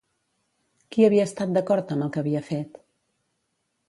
Qui havia estat d'acord amb el que havia fet?